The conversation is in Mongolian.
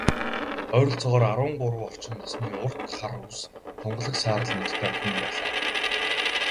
Ойролцоогоор арван гурав орчим насны, урт хар үс, тунгалаг саарал нүдтэй охин байлаа.